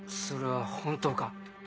それは本当か？